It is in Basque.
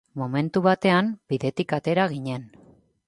Momentu batean bidetik atera ginen.